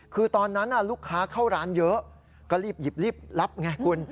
คือตอนนั้นลูกค้าเข้าร้านเยอะก็รีบหยิบรีบรับไงคุณ